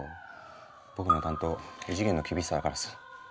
僕の担当異次元の厳しさだからさ。